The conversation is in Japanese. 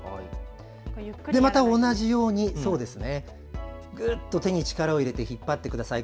また同じようにぐっと手に力を入れて引っ張ってください。